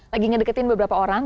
lagi ngedeketin beberapa orang